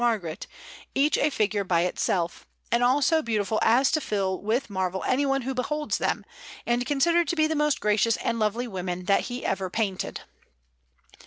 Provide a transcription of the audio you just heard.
Margaret, each a figure by itself, and all so beautiful as to fill with marvel anyone who beholds them, and considered to be the most gracious and lovely women that he ever painted.